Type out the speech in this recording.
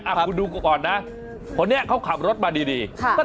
อ่ะอ่ะคุณดูก่อนนะคนเนี่ยเขาขับรถมาดีครับ